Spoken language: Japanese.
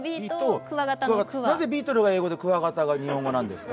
なぜ、ビートルが英語でクワガタが日本語なんですか？